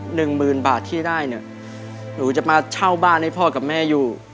หนึ่งหมื่นบาทที่ได้เนี่ยหนูจะมาเช่าบ้านให้พ่อกับแม่อยู่